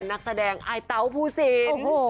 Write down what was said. นักแสดงไอเตาผู้สิน